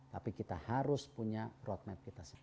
tapi kita harus punya road map kita sendiri